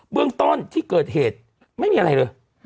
เรื่องต้นที่เกิดเหตุไม่มีอะไรเลย